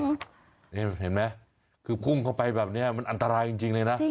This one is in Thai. นี่เห็นไหมคือพุ่งเข้าไปแบบนี้มันอันตรายจริงเลยนะ